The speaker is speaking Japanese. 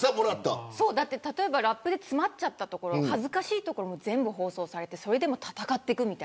例えば、ラップが詰まっちゃったところも恥ずかしいところも全部、放送されてそれでも戦っていく。